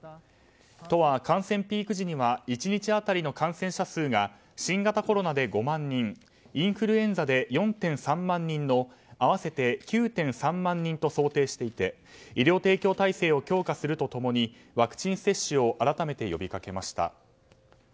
都は、感染ピーク時には１日当たりの感染者数が新型コロナで５万人インフルエンザで４．３万人の合わせて９．３万人と想定していて医療提供体制を強化すると共にワクチン接種を改めて呼びかけました。